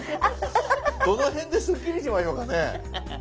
どの辺でスッキリしましょうかね。